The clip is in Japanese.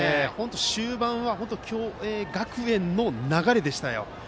終盤は共栄学園の流れでした。